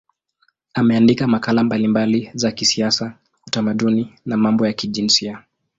Ameandika makala mbalimbali za kisiasa, utamaduni na mambo ya kijinsia.